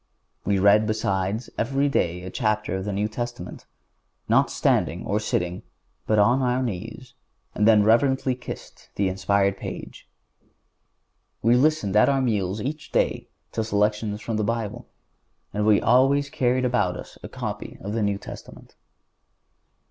We read, besides, every day a chapter of the New Testament, not standing or sitting, but on our knees, and then reverently kissed the inspired page. We listened at our meals each day to selections from the Bible, and we always carried about with us a copy of the New Testament.